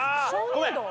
ごめん。